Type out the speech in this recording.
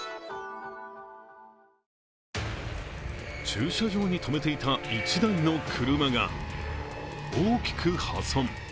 駐車場に止めていた１台の車が大きく破損。